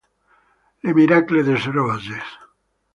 Le Miracle des roses